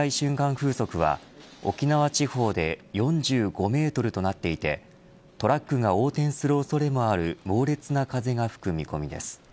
風速は沖縄地方で４５メートルとなっていてトラックが横転する恐れもある猛烈な風が吹く見込みです。